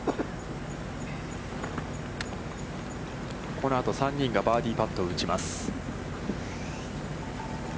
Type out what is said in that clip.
このあと３人がバーディーパットを打ちます。